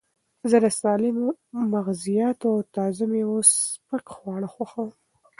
زه د سالمو مغزیاتو او تازه مېوو سپک خواړه خوښوم.